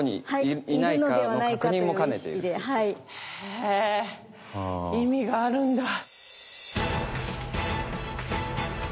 へぇ意味があるんだ。